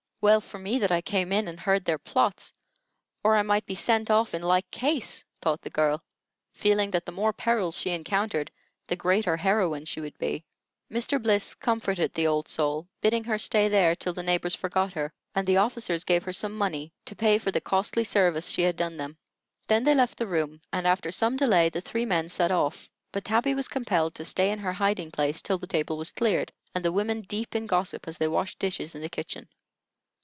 "Well for me I came and heard their plots, or I might be sent off in like case," thought the girl, feeling that the more perils she encountered, the greater heroine she would be. Mr. Bliss comforted the old soul, bidding her stay there till the neighbors forgot her, and the officers gave her some money to pay for the costly service she had done them. Then they left the room, and after some delay the three men set off; but Tabby was compelled to stay in her hiding place till the table was cleared, and the women deep in gossip, as they washed dishes in the kitchen.